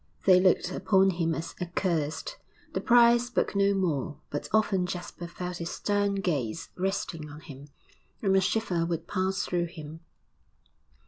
They looked upon him as accursed. The prior spoke no more, but often Jasper felt his stern gaze resting on him, and a shiver would pass through him.